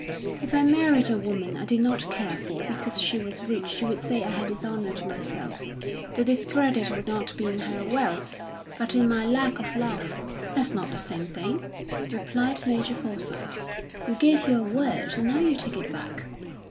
"If I married a woman I did not care for because she was rich, you would say I had dishonoured myself. The discredit would not be in her wealth, but in my lack of love." "That's not the same thing," replied Major Forsyth. "You gave your word, and now you take it back."